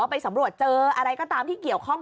ไปสำรวจเจออะไรก็ตามที่เกี่ยวข้อง